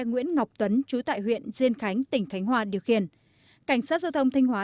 nguyễn ngọc tuấn chú tại huyện diên khánh tỉnh khánh hòa điều khiển cảnh sát giao thông thanh hóa